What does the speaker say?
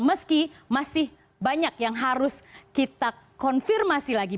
meski masih banyak yang harus kita konfirmasi lagi